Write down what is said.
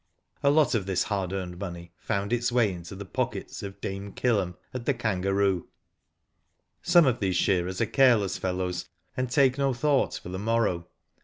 ^ lot of this hard earned money found its way into the pockets of Dame Kill'em, at *'The Kangaroo/' Some of these shearers are careless fellows, and take no thought for the morrow.